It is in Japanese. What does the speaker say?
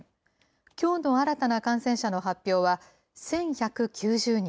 きょうの新たな感染者の発表は１１９０人。